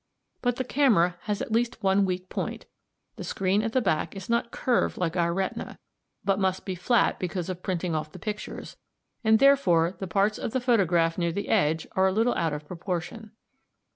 "But the camera has at least one weak point. The screen at the back is not curved like our retina, but must be flat because of printing off the pictures, and therefore the parts of the photograph near the edge are a little out of proportion.